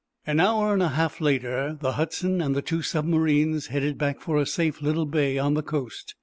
An hour and a half later the "Hudson" and the two submarines headed back for a safe little bay on the coast.